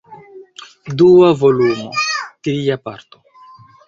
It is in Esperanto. Dua volumo, Tria Parto.